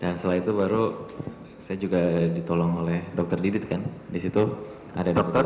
dan setelah itu baru saya juga ditolong oleh dokter didit kan di situ ada dokter